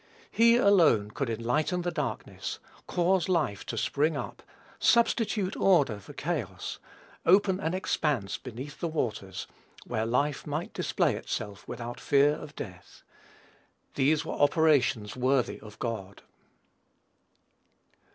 He alone could enlighten the darkness, cause life to spring up, substitute order for chaos, open an expanse between the waters, where life might display itself without fear of death. These were operations worthy of God.